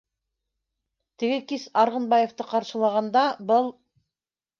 Теге кис, Арғынбаевты ҡаршылағанда, был